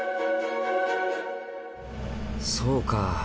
そうか。